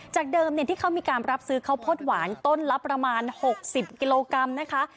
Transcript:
เดิมที่เขามีการรับซื้อข้าวโพดหวานต้นละประมาณ๖๐กิโลกรัมนะคะ